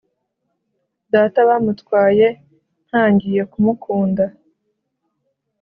Data bamutwaye Ntangiye kumukunda